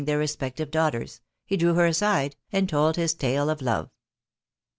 25 » their respective daughters, he drew her aside, and told his tale of loye.